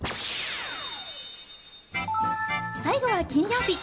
最後は金曜日。